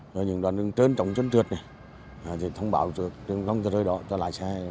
rồi những đoàn đường trơn trống trơn trượt này thì thông báo cho tương công tật rơi đó cho lái xe